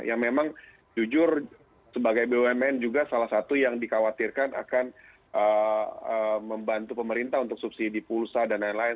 yang memang jujur sebagai bumn juga salah satu yang dikhawatirkan akan membantu pemerintah untuk subsidi pulsa dan lain lain